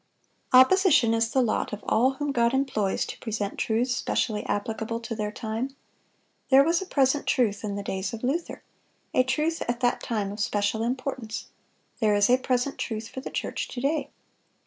Opposition is the lot of all whom God employs to present truths specially applicable to their time. There was a present truth in the days of Luther,—a truth at that time of special importance; there is a present truth for the church to day.